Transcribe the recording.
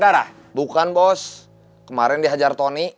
yang dihajar tony